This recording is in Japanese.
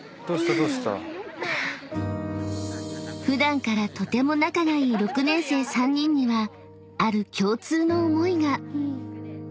［普段からとても仲がいい６年生３人にはある共通の思いが］